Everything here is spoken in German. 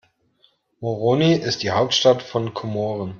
Moroni ist die Hauptstadt von Komoren.